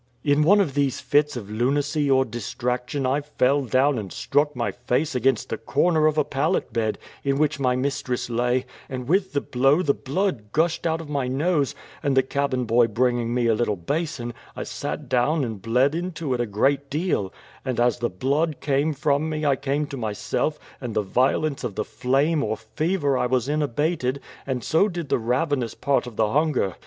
"In one of these fits of lunacy or distraction I fell down and struck my face against the corner of a pallet bed, in which my mistress lay, and with the blow the blood gushed out of my nose; and the cabin boy bringing me a little basin, I sat down and bled into it a great deal; and as the blood came from me I came to myself, and the violence of the flame or fever I was in abated, and so did the ravenous part of the hunger.